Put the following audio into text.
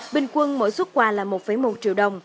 bình quân mỗi xuất quà là một một triệu đồng